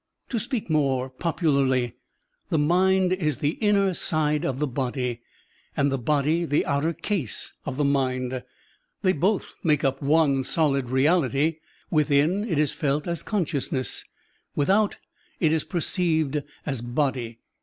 To speak more popularly, the mind is the inner side of the body and the body the outer case of the mind. They both make up one solid reality. Within, it is felt as consciousness; without, it is perceived as body.